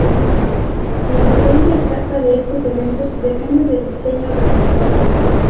La secuencia exacta de estos eventos depende del diseño del reactor.